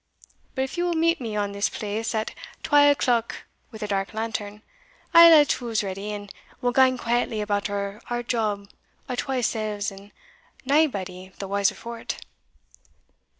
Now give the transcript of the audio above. But if you will meet me on this place at twal o'clock wi' a dark lantern, I'll hae tools ready, and we'll gang quietly about our job our twa sells, and naebody the wiser for't."